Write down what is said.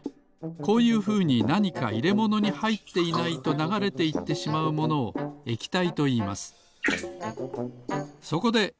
こういうふうになにかいれものにはいっていないとながれていってしまうものを液体といいます。